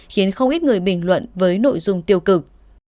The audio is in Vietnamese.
khiến không ít người bình luận với nội dung tiêu cực